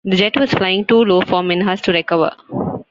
The jet was flying too low for Minhas to recover.